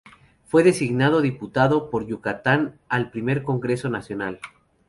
Fue designado diputado por Yucatán al primer Congreso Nacional.